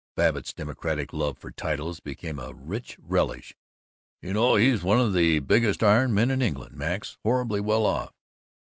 Babbitt's democratic love for titles became a rich relish. "You know, he's one of the biggest iron men in England, Max. Horribly well off....